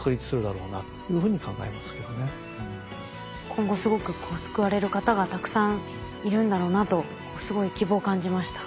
今後すごく救われる方がたくさんいるんだろうなとすごい希望を感じました。